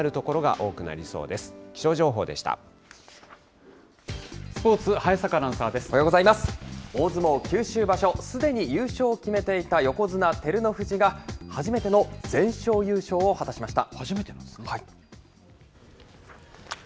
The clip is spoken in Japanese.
大相撲九州場所、すでに優勝を決めていた横綱・照ノ富士が、初めての全勝優勝を果たしました。